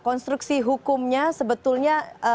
konstruksi hukumnya sebetulnya